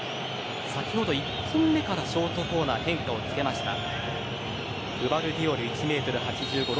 先ほど１本目からショートコーナー変化をつけました。